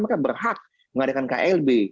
mereka berhak mengadakan klb